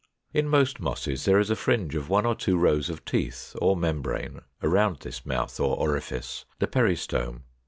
In most Mosses there is a fringe of one or two rows of teeth or membrane around this mouth or orifice, the Peristome.